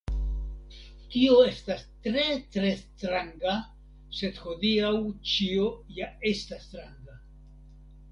Tio estos tre, tre stranga, sed hodiaŭ ĉio ja estas stranga.